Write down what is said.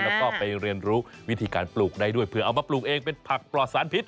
แล้วก็ไปเรียนรู้วิธีการปลูกได้ด้วยเพื่อเอามาปลูกเองเป็นผักปลอดสารพิษ